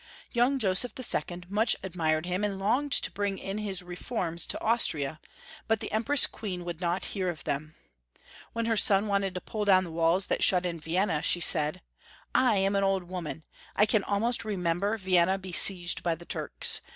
Young Joseph II. much admired him, and longed to bring in his reforms to Austria, but the Em press Queen would not hear of them. When her I I. 414 Young Folks' Sittoiy of Qermant/. Bon wanted to pull down the walla that shut in Vienna, she said, "I am an old woman. I can almost remember Vienna besieged by the Turks.